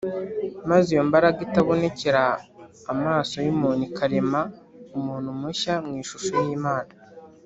. Maze iyo mbaraga itabonekera amaso y’umuntu ikarema umuntu mushya mw’ishusho y’Imana.